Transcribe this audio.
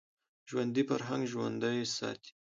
ژوندي فرهنګ ژوندی ساتي